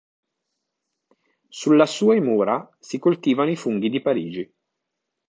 Sulla sue mura, si coltivano i funghi di Parigi.